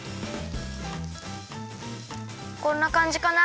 こんなかんじかな。